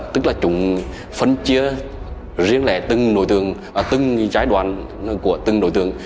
tức là chúng phân chia riêng lại từng giai đoạn của từng đối tượng